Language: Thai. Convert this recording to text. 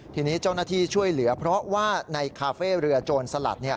ทีนี้เจ้าหน้าที่ช่วยเหลือเพราะว่าในคาเฟ่เรือโจรสลัด